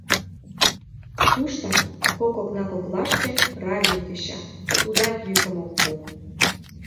Туштак, кок окна коклаште, радио кеча, тудат йӱкым ок пу.